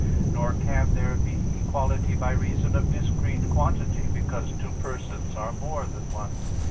Nor can there be equality by reason of discrete quantity, because two persons are more than one.